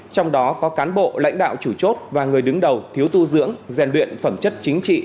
trong đó có cán bộ lãnh đạo chủ chốt và người đứng đầu thiếu tu dưỡng rèn luyện phẩm chất chính trị